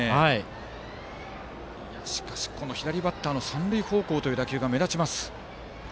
左バッターの三塁方向への打球が目立ちます。